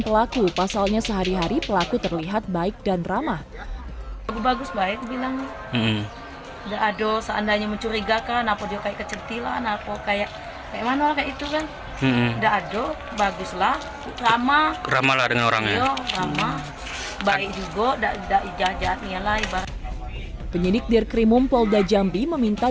pemeriksaan terhadap korban yang lain dan juga penyelidikan dari mereka yang sudah kami ketuakan